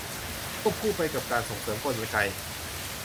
ควบคู่ไปกับการส่งเสริมกลไก